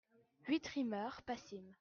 huit Rymers, passim.